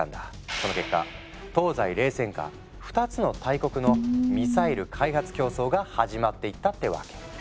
その結果東西冷戦下２つの大国のミサイル開発競争が始まっていったってわけ。